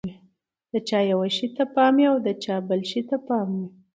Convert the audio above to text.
د چا یوه شي ته پام وي، د چا بل شي ته پام وي.